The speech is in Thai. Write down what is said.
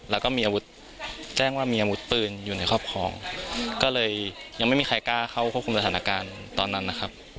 แล้วก็มีอาวุธแจ้งว่ามีอาวุธปืนอยู่ในครอบครองก็เลยยังไม่มีใครกล้าเข้าควบคุมสถานการณ์ตอนนั้นนะครับ